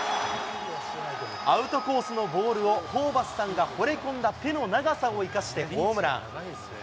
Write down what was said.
アウトコースのボールをホーバスさんがほれ込んだ手の長さを生かしてホームラン。